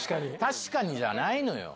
「確かに」じゃないのよ！